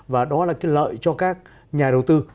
và đó là cái lợi cho các nhà đầu tư